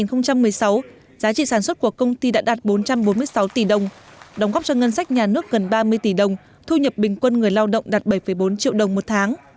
năm hai nghìn một mươi sáu giá trị sản xuất của công ty đã đạt bốn trăm bốn mươi sáu tỷ đồng đóng góp cho ngân sách nhà nước gần ba mươi tỷ đồng thu nhập bình quân người lao động đạt bảy bốn triệu đồng một tháng